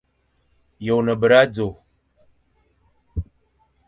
Ye one bera dzo?